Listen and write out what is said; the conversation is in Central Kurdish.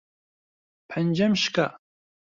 پەنجەم شکا.